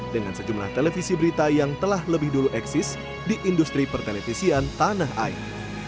dengan sejumlah televisi berita yang telah lebih dulu eksis di industri pertenetisian tanah air